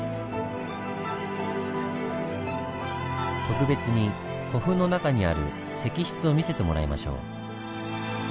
特別に古墳の中にある石室を見せてもらいましょう。